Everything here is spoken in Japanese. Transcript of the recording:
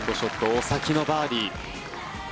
お先のバーディー。